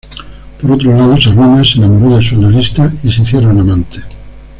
Por otro lado, Sabina se enamoró de su analista y se hicieron amantes.